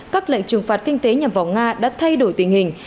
các lệnh trừng phạt kinh tế nhằm vào nga đã thay đổi tình hình